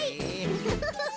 フフフフフ。